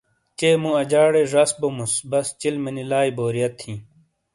چے مو اجاڑے زش بوموس بس چلمے نی لائئ بوریت ہی